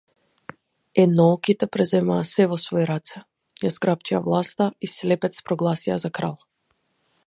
Еднооките преземаа сѐ во свои раце, ја зграпчија власта и слепец прогласија за крал.